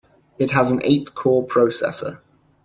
It has an eight-core processor.